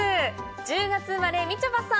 １０月生まれ、みちょぱさん。